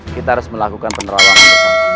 kita harus melakukan penerawangan